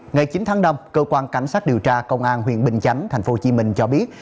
ngày chín tháng năm cơ quan cảnh sát điều tra công an huyện bình chánh tp hcm cho biết